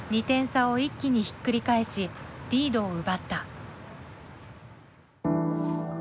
２点差を一気にひっくり返しリードを奪った。